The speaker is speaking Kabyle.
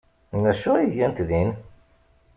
D acu ay gant din?